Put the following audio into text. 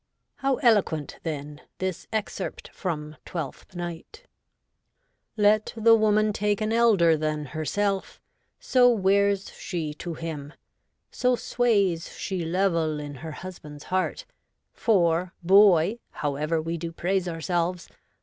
How eloquent, then, this excerpt from Twelfth Night —' Let the woman take An elder than herself : so wears she to him ; So sways she level in her husband's heart : For, boy (however we do praise ourselves).